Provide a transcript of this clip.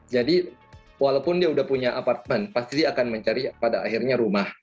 jadi walaupun dia sudah punya apartemen pasti dia akan mencari pada akhirnya rumah